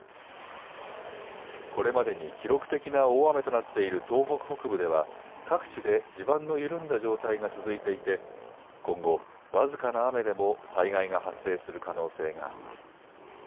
これまでに記録的な大雨となっている東北北部では各地で地盤の緩んだ状態が続いていて今後、僅かな雨でも災害が発生する可能性があります。